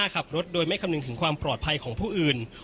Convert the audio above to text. ขับรถโดยไม่คำนึงถึงความปลอดภัยของผู้อื่น